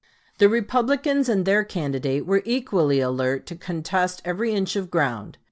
The Republicans and their candidate were equally alert to contest every inch of ground.